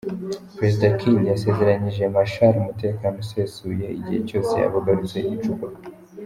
Perezida Kiir yasezeranyije Machar umutekano usesuye igihe cyose yaba agarutse i Juba.